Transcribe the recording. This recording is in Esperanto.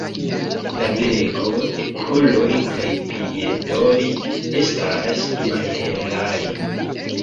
La beko, okuloj kaj piedoj estas malhelaj.